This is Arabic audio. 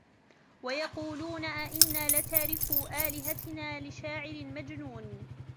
ويقولون أئنا لتاركو آلهتنا لشاعر مجنون